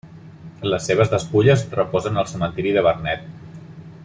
Les seves despulles reposen al cementiri de Vernet.